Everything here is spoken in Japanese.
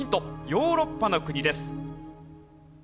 ヨーロッパの国です。